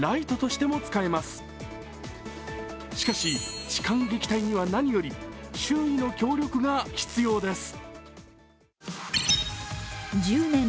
しかし、痴漢撃退には何より周囲の協力が必要です。